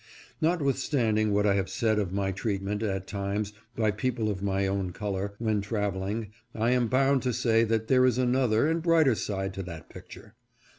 Notwithstanding what I have said of my treatment, at times, by people of my own color, when traveling, I am bound to say that there is another and brighter side to that picture.